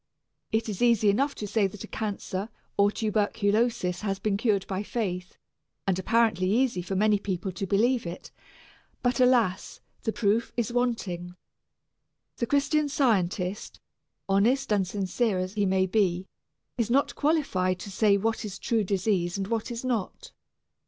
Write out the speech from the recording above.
It is easy enough to say that a cancer or tuberculosis has been cured by faith, and apparently easy for many people to believe it, but alas, the proof is wanting. The Christian Scientist, honest and sincere as he may be, is not qualified to say what is true disease and what is not.